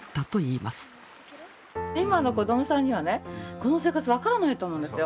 今の子どもさんにはねこの生活分からないと思うんですよ。